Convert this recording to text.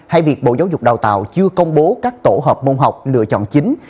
hay việc bộ giáo dục đào tạo chưa công bố các tổ hợp môn học lựa chọn chính